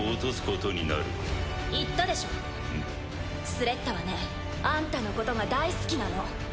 スレッタはねあんたのことが大好きなの。